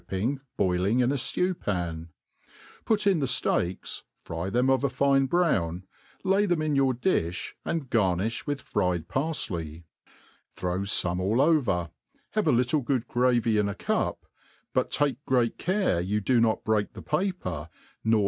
ping, boiling in a ftew pan j put in the fieak$, fry them of a ,fine brown, lay them in your di(h, and gamifli with fried par fley j throw fome all over, have a^ little good gravy in a cup'5 but lake great care you do not break the paper, nor^hav?